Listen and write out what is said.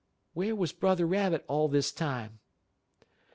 "Where was Brother Rabbit all this time?"